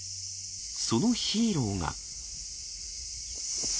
そのヒーローが。